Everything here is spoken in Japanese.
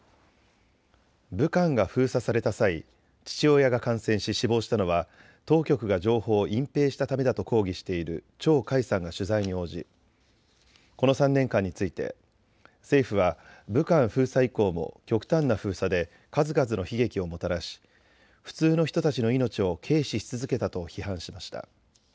武漢が封鎖された際、父親が感染し死亡したのは当局が情報を隠蔽したためだと抗議している張海さんが取材に応じこの３年間について政府は武漢封鎖以降も極端な封鎖で数々の悲劇をもたらし普通の人たちの命を軽視し続けたと批判しました。